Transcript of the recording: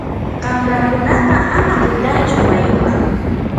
qanrakunata ama qitaychu mayuman.